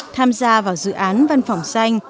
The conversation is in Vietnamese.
tham gia vào dự án văn phòng xanh